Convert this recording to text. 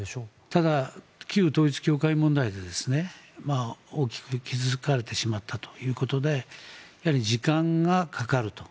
ただ、旧統一教会問題で大きく傷付かれてしまったということで時間がかかると。